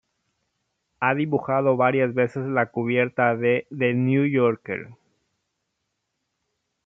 Ha dibujado varias veces la cubierta de The New Yorker.